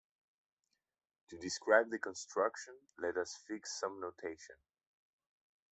To describe the construction let us fix some notation.